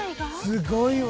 すごいわ。